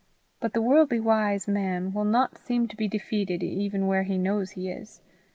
But the wordly wise man will not seem to be defeated even where he knows he is.